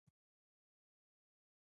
ډاکټر ویلي دي چې فلورایډ ګټور دی.